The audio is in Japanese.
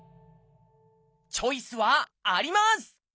チョイスはあります！